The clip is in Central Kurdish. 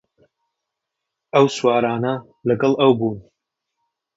ئەو سوارانە لەگەڵ ئەو بوون